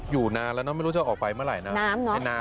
อยู่นานแล้วเนาะไม่รู้จะออกไปเมื่อไหร่เนาะน้ำเนาะ